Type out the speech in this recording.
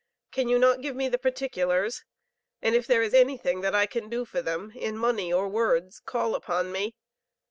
Can you not give me the particulars? and if there is anything that I can do for them in money or words, call upon me.